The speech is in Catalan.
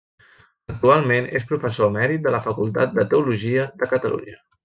Actualment és professor emèrit de la Facultat de Teologia de Catalunya.